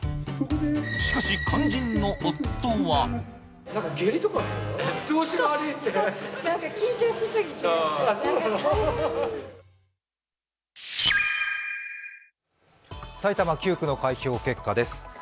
しかし、肝心の夫は埼玉９区の開票結果です。